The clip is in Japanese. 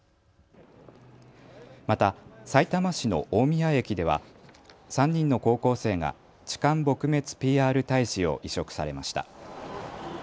また、さいたま市の大宮駅では３人の高校生がチカン撲滅ＰＲ大使を委嘱されました。